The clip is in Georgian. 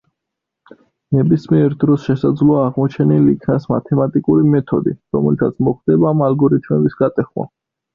ნებისმიერ დროს შესაძლოა აღმოჩენილ იქნას მათემატიკური მეთოდი, რომლითაც მოხდება ამ ალგორითმების გატეხვა.